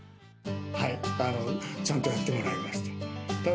ちゃんとやってもらいました。